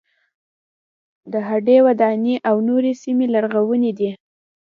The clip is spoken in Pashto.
د هډې وداني او نورې سیمې لرغونې دي.